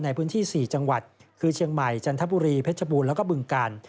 ในพื้นที่๔จังหวัดคือเชียงใหม่จันทบุรีเพชรบูรณ์แล้วก็บึงกาล